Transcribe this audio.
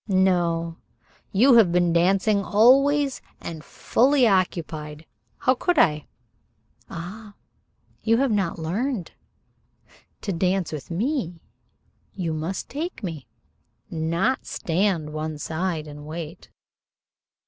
"No. You have been dancing always, and fully occupied. How could I?" "Ah, you have not learned. To dance with me you must take me, not stand one side and wait."